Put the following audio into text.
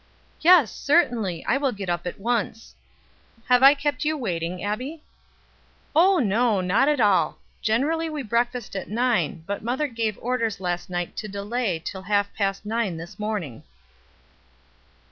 "Yes, certainly, I'll get up at once. Have I kept you waiting, Abbie?" "Oh no, not at all; generally we breakfast at nine, but mother gave orders last night to delay until half past nine this morning."